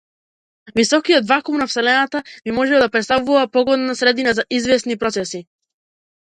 Високиот вакуум на вселената би можел да претставува погодна средина за извесни процеси.